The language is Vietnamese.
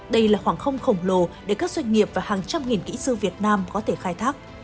đây là khoảng không khổng lồ để các doanh nghiệp và hàng trăm nghìn kỹ sư việt nam có thể khai thác